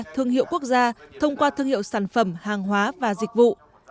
thương hiệu quốc gia thông qua thương hiệu sản phẩm hàng hóa và dịch vụ